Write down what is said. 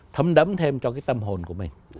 thấm đấm thêm cho cái tâm hồn của mình